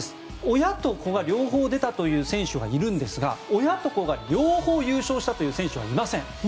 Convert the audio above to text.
親と子が両方出たという選手はいるんですが親と子が両方優勝したという選手はいません。